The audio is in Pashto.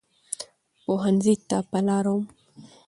پوهنځۍ ته په لاره وم.